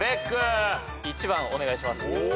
１番お願いします。